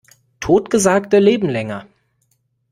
Totgesagte leben länger.